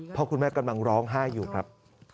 พ่อคุณแม่กำลังร้องไห้อยู่ครับ